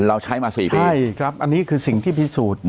เราใช้มา๔ปีอันนี้คือสิ่งที่พิสูจน์